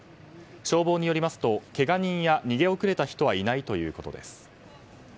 消防によりますとけが人や逃げ遅れた人はいないということです。